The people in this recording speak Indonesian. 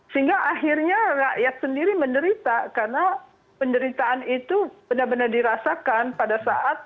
sehingga akhirnya rakyat sendiri menderita karena penderitaan itu benar benar dirasakan pada saat